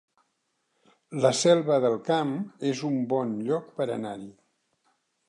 La Selva del Camp es un bon lloc per anar-hi